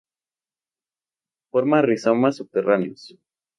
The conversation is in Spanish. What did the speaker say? Forma rizomas subterráneos.